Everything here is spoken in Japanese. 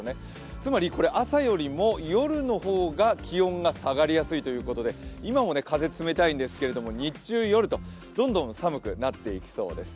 つまり朝よりも夜の方が気温が下がりやすいということで今も風、冷たいんですけれども、日中、夜とどんどん寒くなっていきそうです。